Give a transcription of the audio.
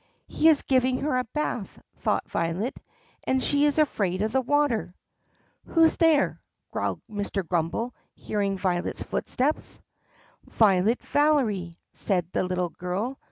"He is giving her a bath," thought Violet, "and she is afraid of the water." "Who's there?" growled Mr. Grummbel, hearing Violet's footsteps. "Violet Valery," said the little girl.